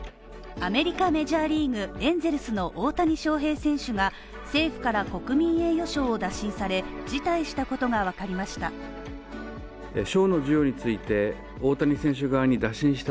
アメリカメジャーリーグエンゼルスの大谷翔平選手が政府から国民栄誉賞を打診され、辞退したことがわかりました。